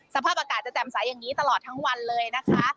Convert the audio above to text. สภาพอากาศจะแจ่มใสอย่างนี้ตลอดทั้งวันเลยนะคะ